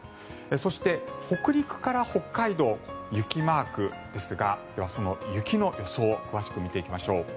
そして、北陸から北海道雪マークですがその雪の予想を詳しく見ていきましょう。